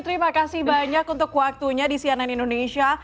terima kasih banyak untuk waktunya di cnn indonesia